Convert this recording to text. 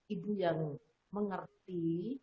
ibu yang mengerti